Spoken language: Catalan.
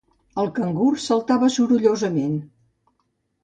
El cangur saltava sorollosament.